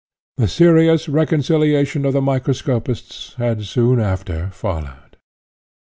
The serious reconciliation of the microscopists had soon after followed.